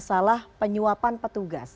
masalah penyuapan petugas